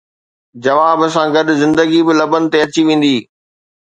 جواب سان گڏ زندگي به لبن تي اچي ويندي